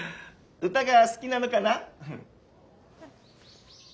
歌が好きなのかな？